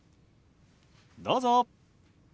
どうぞ。